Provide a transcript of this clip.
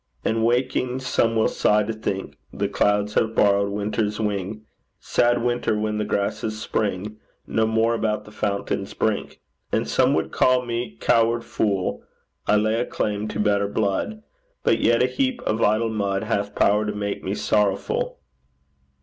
And, waking, some will sigh to think The clouds have borrowed winter's wing Sad winter when the grasses spring No more about the fountain's brink. And some would call me coward fool: I lay a claim to better blood; But yet a heap of idle mud Hath power to make me sorrowful.